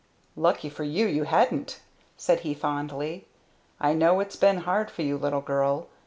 "Lucky for me you hadn't!" said he fondly. "I know it's been hard for you, little girl.